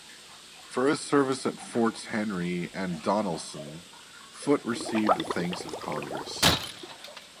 For his service at Forts Henry and Donelson, Foote received the Thanks of Congress.